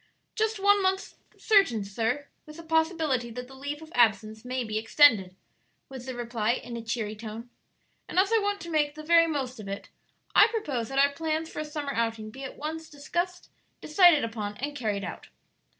"Just one month certain, sir, with the possibility that the leave of absence may be extended," was the reply, in a cheery tone; "and as I want to make the very most of it, I propose that our plans for a summer outing be at once discussed, decided upon, and carried out."